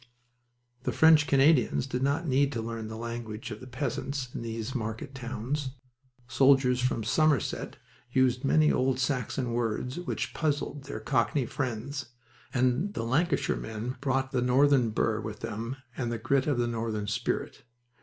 The French Canadians did not need to learn the language of the peasants in these market towns. Soldiers from Somerset used many old Saxon words which puzzled their cockney friends, and the Lancashire men brought the northern bur with them and the grit of the northern spirit.